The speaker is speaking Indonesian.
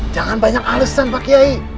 jangan banyak alesan pak kiai